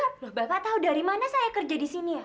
loh bapak tahu dari mana saya kerja di sini ya